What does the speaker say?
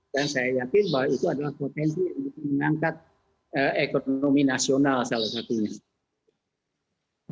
dan saya yakin bahwa itu adalah potensi untuk mengangkat ekonomi nasional salah satunya